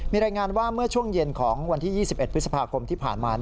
มีรายงานว่าเมื่อช่วงเย็นของวันที่๒๑พฤษภาคมที่ผ่านมา